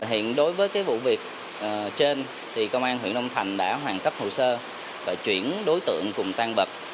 hiện đối với cái vụ việc trên thì công an huyện long thành đã hoàn cấp hồ sơ và chuyển đối tượng cùng tan bật